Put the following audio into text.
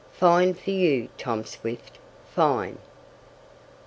"Fine for you. Tom Swift! Fine!"